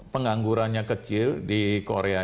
penganggurannya kecil di korea